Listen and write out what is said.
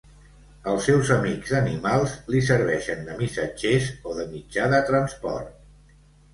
Els seus amics animals li serveixen de missatgers o de mitjà de transport.